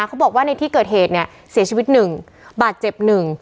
เขาบอกว่าในที่เกิดเหตุเนี่ยเสียชีวิตหนึ่งบาดเจ็บหนึ่ง